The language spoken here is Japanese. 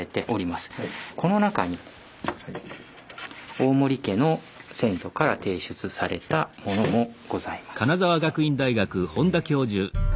この中に大森家の先祖から提出されたものもございます。